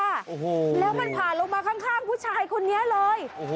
แล้วมันผ่านลงมาข้างผู้ชายคนนี้เลย